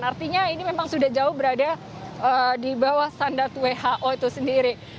artinya ini memang sudah jauh berada di bawah standar who itu sendiri